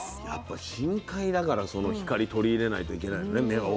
やっぱ深海だからその光取り入れないといけないのね。